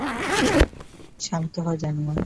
শান্ত হ জানোয়ার।